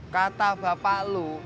kata bapak lo